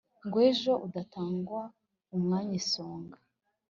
ngo ejo udatangwa umwanya i songa